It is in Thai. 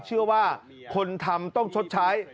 เชื่อว่าคนทำต้องชดใช้